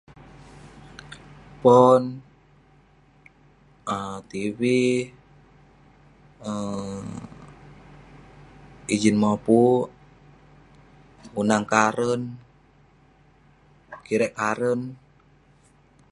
Pon, um tv, um ijin mopuk, unang karen, kirek karen.